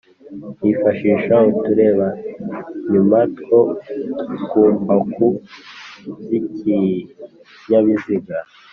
yifashisha uturebanyuma two kumbaku z’ikinyabiziga